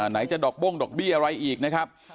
ไหนจะดอกโบ้งดอกเบี้ยอะไรอีกนะครับ